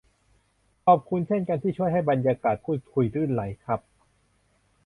ขอบคุณเช่นกันที่ช่วยให้บรรยากาศพูดคุยลื่นไหลครับ